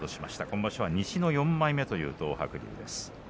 今場所は西の４枚目という東白龍です。